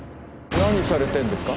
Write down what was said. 何されてんですか？